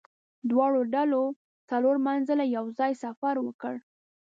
دواړو ډلو څلور منزله یو ځای سفر وکړ.